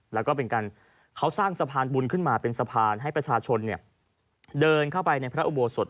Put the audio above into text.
แล้วก็เป็นการเขาสร้างสะพานบุญขึ้นมาเป็นสะพานให้ประชาชนเดินเข้าไปในพระอุโบสถ